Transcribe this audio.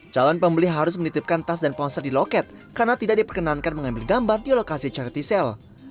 calon pembeli harus menitipkan tas dan ponsel di loket karena tidak diperkenankan mengambil gambar di lokasi charity sale